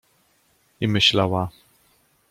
I myślała.